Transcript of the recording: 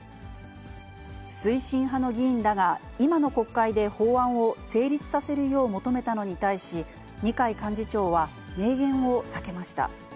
推進派の議員らが、今の国会で法案を成立させるよう求めたのに対し、二階幹事長は、明言を避けました。